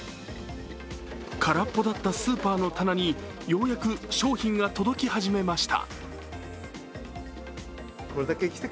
空っぽだったスーパーの棚にようやく商品が届き始めました。